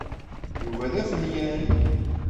Yuba d afenyan.